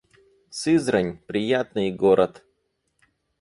Сызрань — приятный город